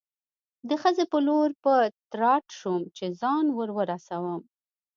د خزې په لور په تراټ شوم، چې ځان ور ورسوم.